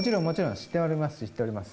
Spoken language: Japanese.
知っております。